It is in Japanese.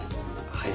はい。